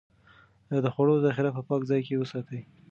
د خوړو ذخيره په پاک ځای کې وساتئ.